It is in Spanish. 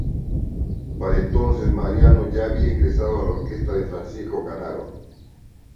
Pero para entonces Mariano ya había ingresado a la Orquesta de Francisco Canaro.